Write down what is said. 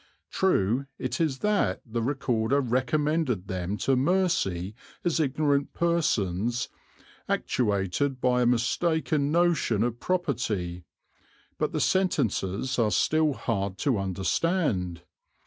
True it is that the Recorder recommended them to mercy as ignorant persons "actuated by a mistaken notion of property"; but the sentences are still hard to understand.